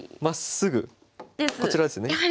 まっすぐこちらですね。